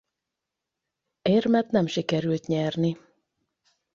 Érmet nem sikerült nyerni.